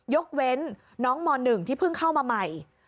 ยกเว้นน้องม๑ที่เพิ่งเข้ามาใหม่